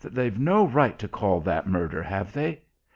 They've no right to call that murder, have they?